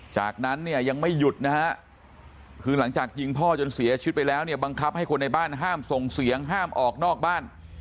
จากนั้นเนี่ยยังไม่หยุดนะฮะคือหลังจากยิงพ่อจนเสียชีวิตไปแล้วเนี่ยบังคับให้คนในบ้านห้ามส่งเสียงห้ามออกนอกบ้าน